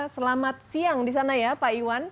selamat siang disana ya pak iwan